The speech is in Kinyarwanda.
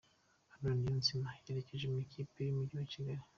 Haruna Niyonzima yerekeje mw’ikipe yumugi wa kigali